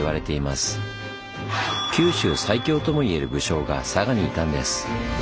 九州最強ともいえる武将が佐賀にいたんです。